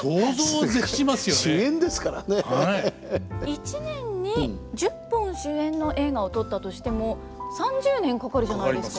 １年に１０本主演の映画を撮ったとしても３０年かかるじゃないですか。